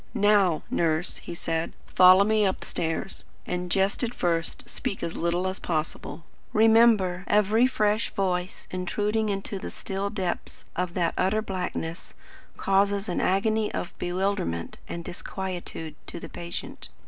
"Now, Nurse," he said, "follow me upstairs, and, just at first, speak as little as possible. Remember, every fresh voice intruding into the still depths of that utter blackness, causes an agony of bewilderment and disquietude to the patient.